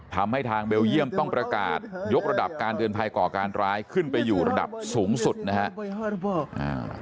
ทำให้ทางเบลเยี่ยมต้องประกาศยกระดับการเตือนภัยก่อการร้ายขึ้นไปอยู่ระดับสูงสุดนะฮะ